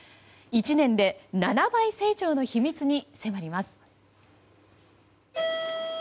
１年で７倍成長の秘密に迫ります。